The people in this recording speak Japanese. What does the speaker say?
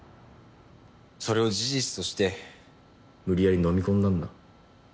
それを事実として無理やりのみ込んだんだ。